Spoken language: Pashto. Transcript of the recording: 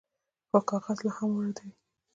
خو کاغذ لا هم واردوي.